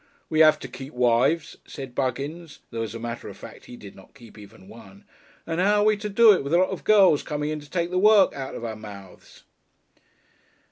"We have to keep wives," said Buggins (though as a matter of fact he did not keep even one), "and how are we to do it with a lot of girls coming in to take the work out of our mouths?"